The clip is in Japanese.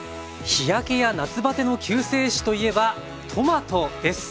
日焼けや夏バテの救世主といえばトマトです。